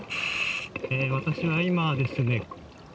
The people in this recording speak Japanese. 私は今ですね